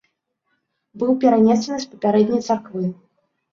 Быў перанесены з папярэдняй царквы.